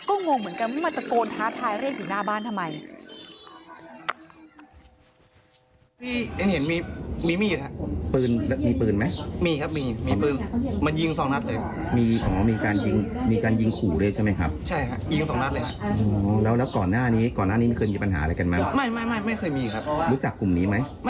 ก็งงเหมือนกันว่ามาตะโกนท้าทายเรียกอยู่หน้าบ้านทำไม